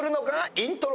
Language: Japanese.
イントロ。